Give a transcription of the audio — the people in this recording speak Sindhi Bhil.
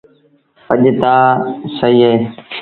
اڄ تا سيٚ اهي